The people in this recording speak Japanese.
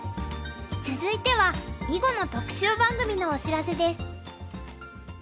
続いては囲碁の特集番組のお知らせです。